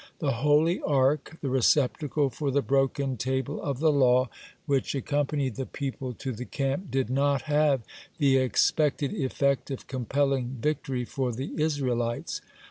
The holy Ark, the receptacle for the broken table of the law, which accompanied the people to the camp, (31) did not have the expected effect of compelling victory for the Israelites.